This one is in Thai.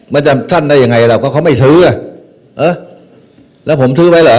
มันจะสั้นได้ยังไงเราก็เขาไม่ซื้ออ่ะเออแล้วผมซื้อไว้แหละ